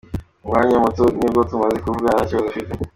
Mu mwanya muto nibwo tumaze kuvugana ,ntakibazo afite.